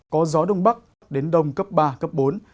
có gió đông bắc đến đông cấp ba cấp bốn